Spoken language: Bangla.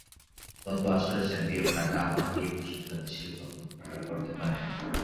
গত আসরের চ্যাম্পিয়ন ঢাকা আবাহনী এই মৌসুমে তাদের শিরোপা পুনরুদ্ধার করতে পারেনি।